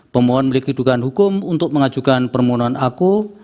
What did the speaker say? permohonan miliki kedudukan hukum untuk mengajukan permohonan aku